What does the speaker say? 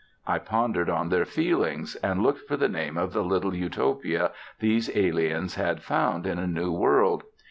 I pondered on their feelings, and looked for the name of the little Utopia these aliens had found in a new world.